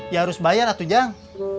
ya harus bayar atu jang